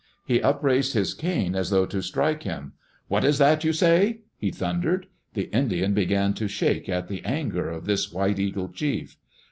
He upraised his cane as though to strike him. "What is that you say?" he thundered. The Indian began to shake at the anger of this White Eagle chief.